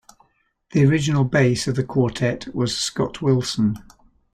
The original bass of the quartet was Scott Wilson.